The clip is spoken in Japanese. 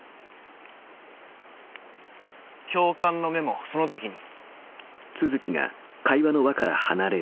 教官の目もそのときに。